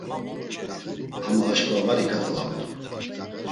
Ama aşkva var iǩatalamt̆u.